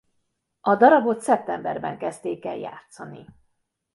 A darabot szeptemberben kezdték el játszani.